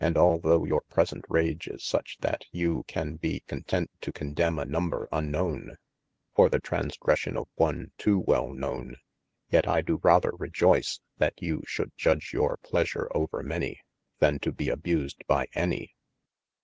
And although your present rage is such that you can bee content to condemne a number unknowen, for the transgression of one to well knowne : yet I doe rather rejoyce that you should judge your pleasure over many, than too be abused by any.